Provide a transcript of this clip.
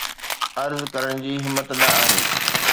عرض ڪرڻ جي همت نه آهي